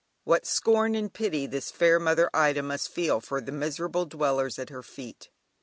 What scorn and pity this fair Mother Ida must feel for the miserable dwellers at her feet!